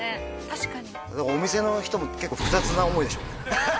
確かにお店の人も結構複雑な思いでしょうね